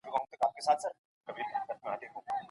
ایا واړه پلورونکي وچه مېوه پلوري؟